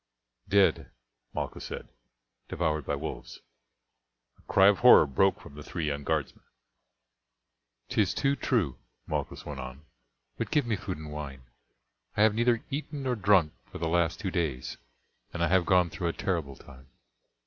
"Dead," Malchus said "devoured by wolves." A cry of horror broke from the three young guardsmen. "'Tis too true," Malchus went on; "but give me food and wine. I have neither eaten nor drunk for the last two days, and I have gone through a terrible time.